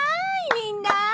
みんな！